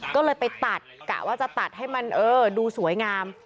ก็เลยไปตัดกะว่าจะตัดให้มันเออดูสวยงาม